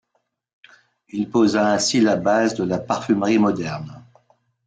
Il posa ainsi la base de la parfumerie moderne.